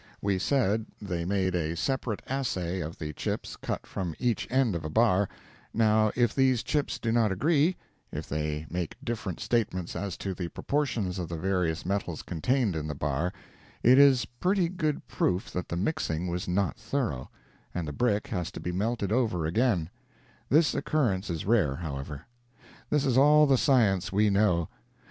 We said they made a separate assay of the chips cut from each end of a bar; now if these chips do not agree—if they make different statements as to the proportions of the various metals contained in the bar, it is pretty good proof that the mixing was not thorough, and the brick has to be melted over again; this occurrence is rare, however. This is all the science we know.